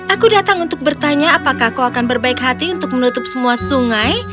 aku datang untuk bertanya apakah kau akan berbaik hati untuk menutup semua sungai